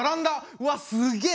うわすげえ！